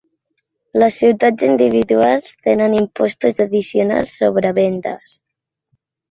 Les ciutats individuals tenen impostos addicionals sobre vendes.